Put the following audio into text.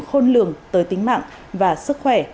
khôn lường tới tính mạng và sức khỏe